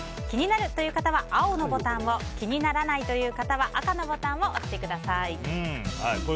気になるという方は青のボタンを気にならないという方は赤のボタンを押してください。